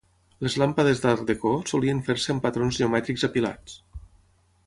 Les làmpades d'Art Deco solien fer-ser amb patrons geomètrics apilats.